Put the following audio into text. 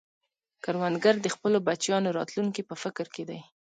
کروندګر د خپلو بچیانو راتلونکې په فکر کې دی